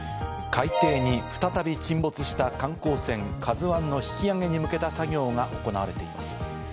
海底に再び沈没した観光船「ＫＡＺＵ１」の引き揚げに向けた作業が行われています。